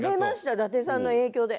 伊達さんの影響で。